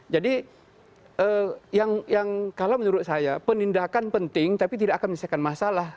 yang kalau menurut saya penindakan penting tapi tidak akan menyelesaikan masalah